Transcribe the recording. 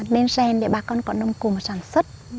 nên rèn để bà con có nông cụm sản xuất